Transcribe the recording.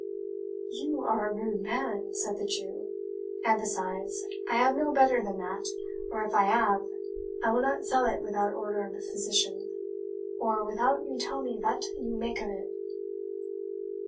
"You are a rude man," said the Jew; "and, besides, I ave no better than that or if I ave, I will not sell it without order of a physician, or without you tell me vat you make of it."